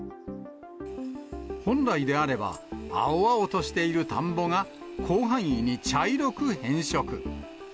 本来であれば、青々としている田んぼが広範囲に茶色く変色。